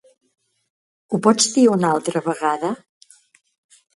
Ho pots dir una altra vegada?